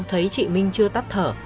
thấy chị minh chưa tắt thở